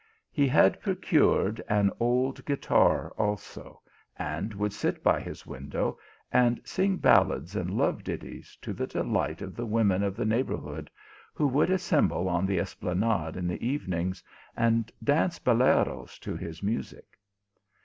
He had procured an old guitar also, and would sit by his window and sing ballads and love ditties to the de light of the women of the neighbourhood, who would assemble on the esplanade in the evenings, and dance boleros to his music.